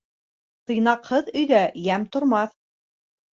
Тыйнаҡһыҙ өйҙә йәм тормаҫ.